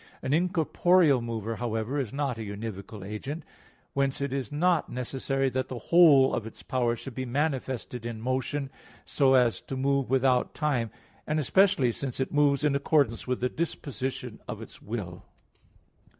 An incorporeal mover, however, is not a univocal agent; whence it is not necessary that the whole of its power should be manifested in motion, so as to move without time; and especially since it moves in accordance with the disposition of its will.